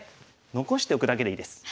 残しておくだけでいいです。